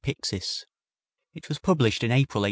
Pixis. It was published in April, 1834.